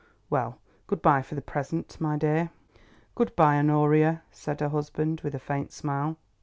Well, good bye for the present, my dear." "Good bye, Honoria," said her husband with a faint smile.